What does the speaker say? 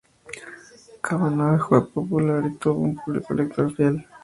Kavanagh fue popular y tuvo un público lector fiel.